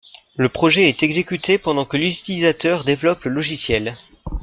Le projet est exécuté pendant que l'utilisateur développe le logiciel.